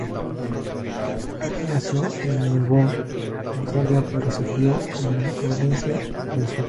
Fox nació en Melbourne, Australia, pero se crio en Rhodesia del Sur.